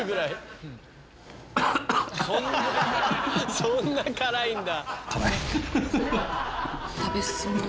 そんなからいんだ。